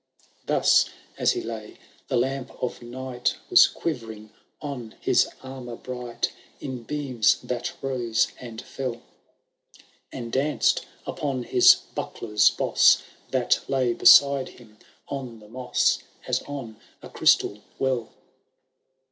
Thus as he lay, the lamp of night Was quivering on his armour bright. In beams that rose and fell. And danced upon his buckler^s boss. That lay beside him on the moes, As on a crystal well.